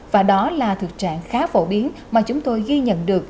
và đó là thực trạng khá phổ biến mà chúng tôi ghi nhận được